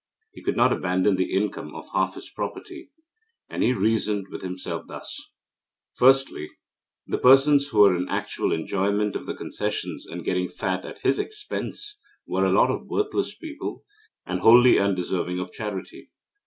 He could not abandon the income of half his property and he reasoned with himself thus: Firstly, the persons who were in actual enjoyment of the concessions and getting fat at his expense were a lot of worthless people, and wholly undeserving of charity.